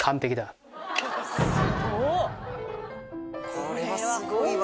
これはすごいわ。